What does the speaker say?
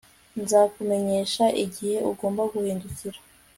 Nzakumenyesha igihe ugomba guhindukira